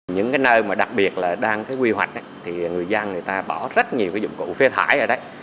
những nơi đặc biệt đang quy hoạch người dân bỏ rất nhiều dụng cụ phê thải ở đấy